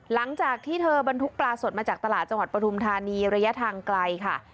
หลังจากที่เธอบรรทุกปลาสดมาจากตลาดจังหวัดปฐุมธานีระยะทางไกลค่ะ